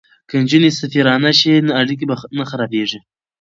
که نجونې سفیرانې شي نو اړیکې به نه خرابیږي.